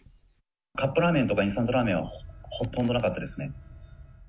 カップラーメンとかインスタントラーメンはほとんどなかったですね。